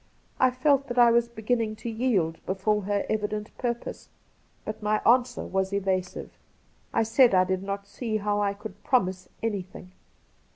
I felt that I was beginning to yield before her evident purpose, but my answer was evasive. I said I did not see how I could promise anything.